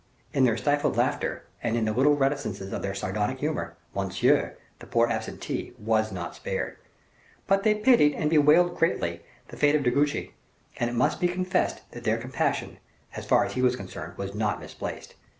In their stifled laughter, and in the little reticences of their sardonic humor, Monsieur, the poor absentee, was not spared. But they pitied, and bewailed greatly, the fate of De Guiche, and it must be confessed that their compassion, as far as he was concerned, was not misplaced.